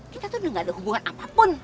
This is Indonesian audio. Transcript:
kita tuh udah gak ada hubungan apapun